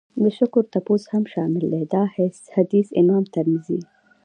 د شکر تپوس هم شامل دی. دا حديث امام ترمذي